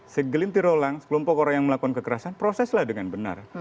segelintir orang sekelompok orang yang melakukan kekerasan proseslah dengan benar